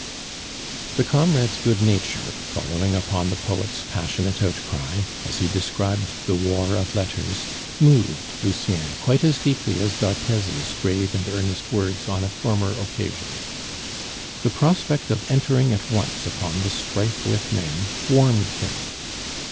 The comrade's good nature, following upon the poet's passionate outcry, as he described the war of letters, moved Lucien quite as deeply as d'Arthez's grave and earnest words on a former occasion. The prospect of entering at once upon the strife with men warmed him.